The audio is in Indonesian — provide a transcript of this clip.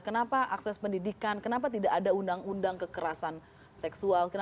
kenapa akses pendidikan kenapa tidak ada undang undang kekerasan seksual